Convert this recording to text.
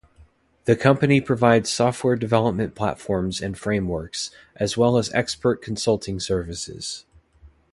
The company provides software development platforms and frameworks, as well as expert consulting services.